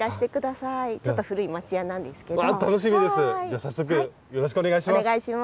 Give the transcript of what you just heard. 早速よろしくお願いします。